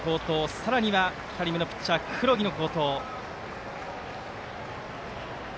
さらには２人目のピッチャー黒木の好投。